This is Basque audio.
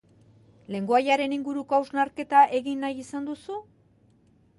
Lengoaiaren inguruko hausnarketa egin nahi izan duzu?